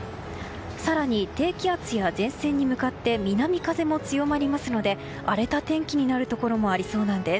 更に低気圧や前線に向かって南風も強まりますので荒れた天気になるところもありそうなんです。